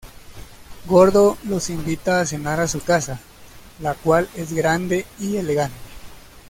Gordo los invita a cenar a su casa, la cual es grande y elegante.